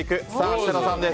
設楽さんです。